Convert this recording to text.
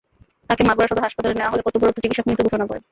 তাঁকে মাগুরা সদর হাসপাতালে নেওয়া হলে কর্তব্যরত চিকিৎসক মৃত ঘোষণা করেন।